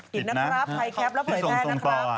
ผิดนะครับไทยแคประเภทแม่นะครับผิดส่งต่อ